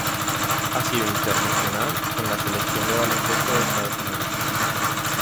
Ha sido internacional con la Selección de baloncesto de Estados Unidos.